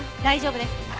大丈夫です。